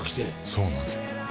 そうなんですよ。